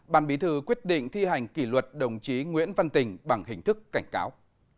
ban bí thư quyết định thi hành kỷ luật đồng chí nguyễn văn tình bằng hình thức cảnh cáo